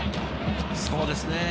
そうですね。